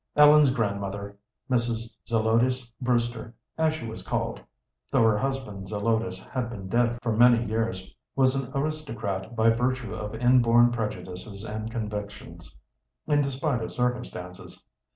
Ellen's grandmother Mrs. Zelotes Brewster, as she was called, though her husband Zelotes had been dead for many years was an aristocrat by virtue of inborn prejudices and convictions, in despite of circumstances.